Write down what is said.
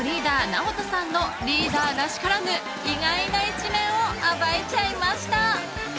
ＮＡＯＴＯさんのリーダーらしからぬ意外な一面を暴いちゃいました！